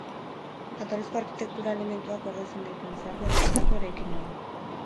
Jatorrizko arkitektura elementuak gordetzen dituen zaharberritutako eraikina da.